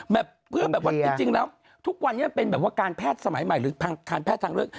แบบจริงแล้วทุกวันนี้เป็นการแพทย์สมัยใหม่หรือแพทย์ทางเลือก